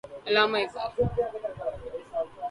Allama Iqbal